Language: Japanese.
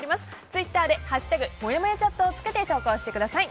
ツイッターで「＃もやもやチャット」をつけて投稿してください。